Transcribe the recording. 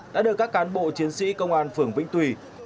đã được các cán bộ chiến sĩ công an phường vĩnh tùy